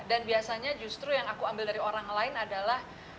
dan biasanya justru yang aku ambil dari orang lain adalah